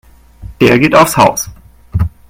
Der geht aufs Haus.